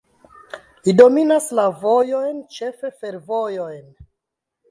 Li dominas la vojojn, ĉefe fervojojn.